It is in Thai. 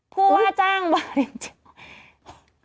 ผู้ว่าจ้างวาลินจิ๋มหอม